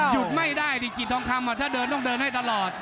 หยุดไม่ได้ดิกิจทองคำถ้าเดินต้องเดินให้ตลอด